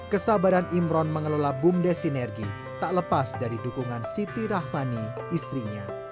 kesabaran imron mengelola bumdes sinergi tak lepas dari dukungan siti rahmani istrinya